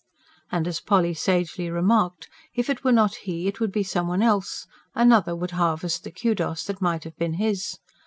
And as Polly sagely remarked: if it were not he, it would be some one else; another would harvest the KUDOS that might have been his.